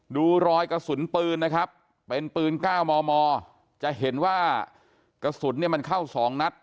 ดูรอยกระสุนปืนนะครับเป็นปืน๙มมจะเห็นว่ากระสุนเนี่ยมันเข้า๒นัด